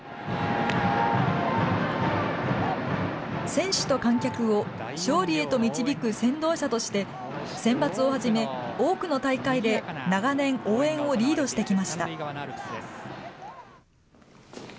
選手と観客を勝利へと導く先導者として、センバツをはじめ、多くの大会で長年、応援をリードしてきました。